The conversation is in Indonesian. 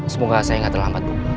semoga saya gak terlambat